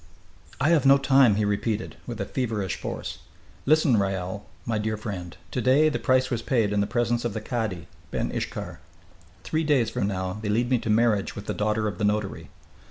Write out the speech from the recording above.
"I have no time!" he repeated, with a feverish force. "Listen, Raoul, my dear friend. To day the price was paid in the presence of the cadi, Ben Iskhar. Three days from now they lead me to marriage with the daughter of the notary.